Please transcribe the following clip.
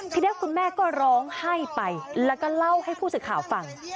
ทีนี้คุณแม่ก็ร้องไห้ไปแล้วก็เล่าให้ผู้สื่อข่าวฟัง